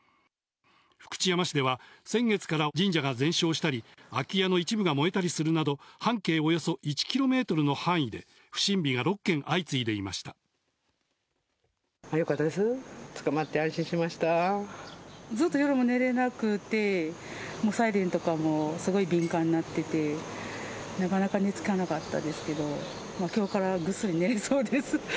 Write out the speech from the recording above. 福知山市では、先月から神社が全焼したり、空き家の一部が燃えたりするなど、半径およそ１キロメートルの範囲で、よかったです、捕まって安心ずっと夜も寝れなくて、もうサイレンとかもすごい敏感になってて、なかなか寝つかなかったですけど、きょうからぐっすり寝れそうです。